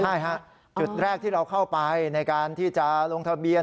ใช่ฮะจุดแรกที่เราเข้าไปในการที่จะลงทะเบียน